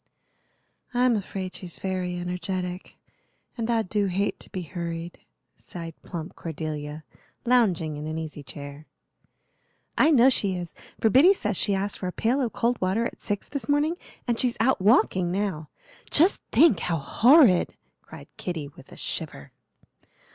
"I'm afraid she's very energetic, and I do hate to be hurried," sighed plump Cordelia, lounging in an easy chair. "I know she is, for Biddy says she asked for a pail of cold water at six this morning, and she's out walking now. Just think how horrid," cried Kitty with a shiver.